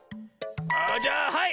あじゃあはい！